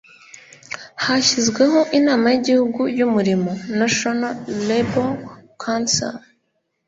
hashyizweho inama y'igihugu y'umurimo ''national labour council